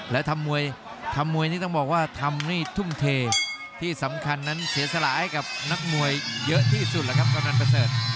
และทำมวยทำมวยนี่ต้องบอกว่าทำนี่ทุ่มเทที่สำคัญนั้นเสียสละให้กับนักมวยเยอะที่สุดแล้วครับกำนันประเสริฐ